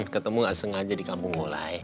ketemu gak sengaja di kampung kulai